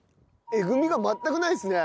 えぐみが全くないですね。